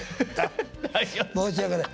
申し訳ない。